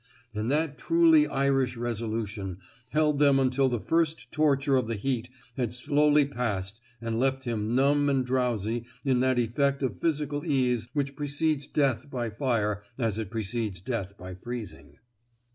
And that truly Irish resolution held them until the first torture of the heat had slowly passed and left him numb and drowsy in that effect of physical ease which precedes death by fire as it precedes death by freezing.